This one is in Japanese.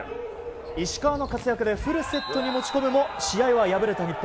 石川の活躍でフルセットに持ち込むも試合は敗れた日本。